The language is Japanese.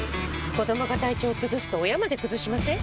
子どもが体調崩すと親まで崩しません？